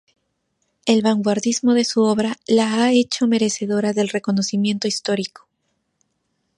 El vanguardismo de su obra la ha hecho merecedora del reconocimiento histórico.